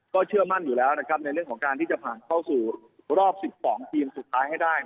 เชื่อมั่นอยู่แล้วนะครับในเรื่องของการที่จะผ่านเข้าสู่รอบ๑๒ทีมสุดท้ายให้ได้